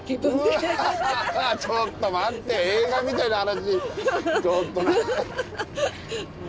ちょっと待って映画みたいな話。